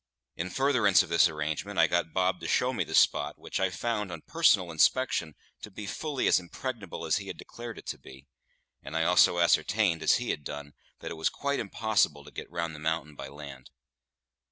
In furtherance of this arrangement I got Bob to show me the spot, which I found, on personal inspection, to be fully as impregnable as he had declared it to be; and I also ascertained, as he had done, that it was quite impossible to get round the mountain by land.